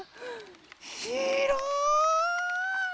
ひろい！